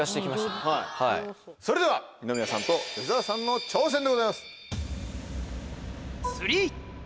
それでは二宮さんと吉沢さんの挑戦でございます。